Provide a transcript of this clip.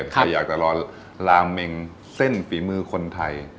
ใครอยากจะรอลาเมงเส้นฝีมือคนไทย